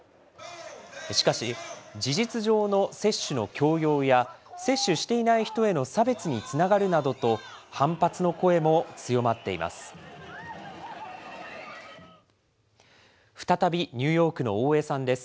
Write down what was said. しかし事実上の接種の強要や、接種していない人への差別につながるなどと、反発の声も強まっています。